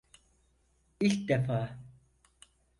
İlk defa.